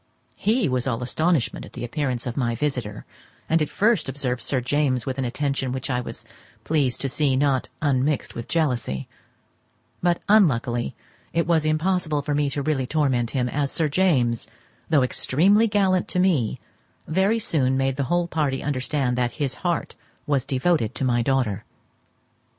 He was all astonishment at the appearance of my visitor, and at first observed Sir James with an attention which I was pleased to see not unmixed with jealousy; but unluckily it was impossible for me really to torment him, as Sir James, though extremely gallant to me, very soon made the whole party understand that his heart was devoted to my daughter.